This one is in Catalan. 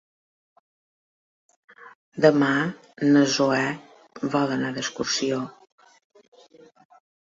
Demà na Zoè vol anar d'excursió.